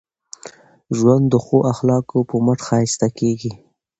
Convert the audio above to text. ژوند د ښو اخلاقو په مټ ښایسته کېږي.